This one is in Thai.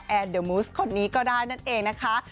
เดอร์มูสคนนี้ก็ได้นั่นเองนะคะ